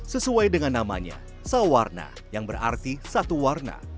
sesuai dengan namanya sawarna yang berarti satu warna